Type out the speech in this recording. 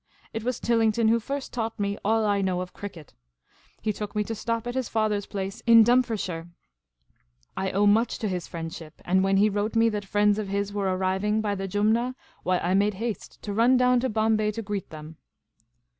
It was Tillington who first taught me all I know of cricket. He took me to stop at his father's place in Dumfriesshire. I owe much to his friendship ; and when he wrote me that friends of his The Ma<j^nificcnt Maharajah ^^^ j were arriving by \\\Qjnmua, why, I made haste to run down to Bomba}' to greet them."